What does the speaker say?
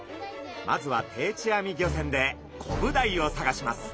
まずは定置網漁船でコブダイを探します。